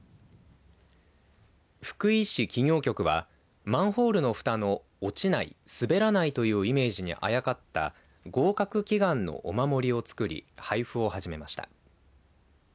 福井市企業局はマンホールのふたの落ちない、滑らないというイメージにあやかった合格祈願のお守りを作り配布を始めました。